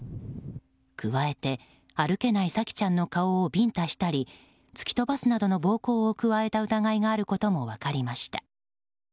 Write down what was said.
加えて、歩けない沙季ちゃんの顔をビンタしたり突き飛ばすなどの暴行を加えた疑いがあることも分かりました。